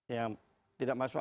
yang tidak masuk